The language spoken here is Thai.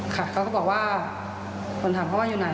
เขาก็บอกว่าคนถามเขาว่าอยู่ไหน